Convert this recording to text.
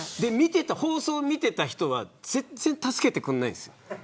放送を見ていた人は全然助けてくれないんです。